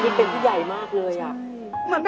คุณคิดเป็นพี่ใหญ่มากเลยอะ